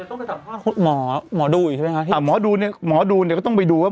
อืมหมอหมอดูอีกใช่ไหมครับอ่ะหมอดูเนี้ยหมอดูเนี้ยก็ต้องไปดูว่า